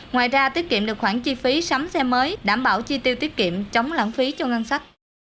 ngoài ra tiết kiệm được khoản chi phí sắm xe mới đảm bảo chi tiêu tiết kiệm chống lãng phí cho ngân sách